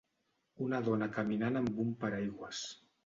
Un dona caminant amb un paraigües.